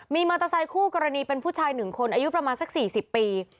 มีมอเตอร์ไซคู่กรณีเป็นผู้ชาย๑คนอายุประมาณสัก๔๐ปี